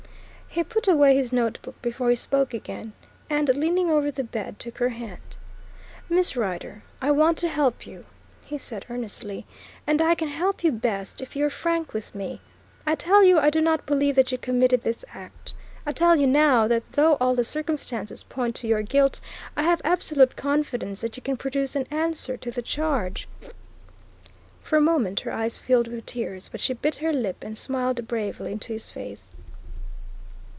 He put away his notebook before he spoke again, and, leaning over the bed, took her hand. "Miss Rider, I want to help you," he said earnestly, "and I can help you best if you're frank with me. I tell you I do not believe that you committed this act. I tell you now that though all the circumstances point to your guilt, I have absolute confidence that you can produce an answer to the charge." For a moment her eyes filled with tears, but she bit her lip and smiled bravely into his face.